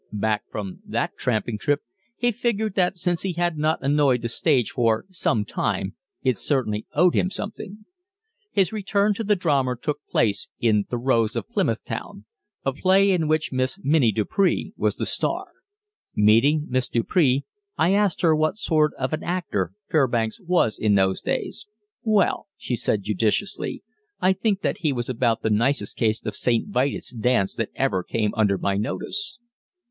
Back from that tramping trip, he figured that since he had not annoyed the stage for some time it certainly owed him something. His return to the drama took place in "The Rose of Plymouth Town," a play in which Miss Minnie Dupree was the star. Meeting Miss Dupree, I asked her what sort of an actor Fairbanks was in those days. "Well," she said judiciously, "I think that he was about the nicest case of St. Vitus' dance that ever came under my notice."